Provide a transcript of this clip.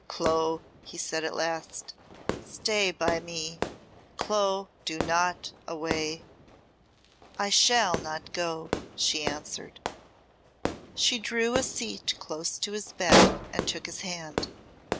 "Clo," he said at last, "stay by me! Clo, go not away!" "I shall not go," she answered. She drew a seat close to his bed and took his hand.